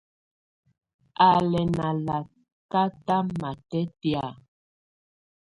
Á lɛ́ ná lakata matɛ́tɛ̀á.